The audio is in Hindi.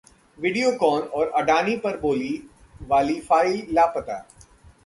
विडियोकॉन और अडानी की बोली वाली फाइल लापता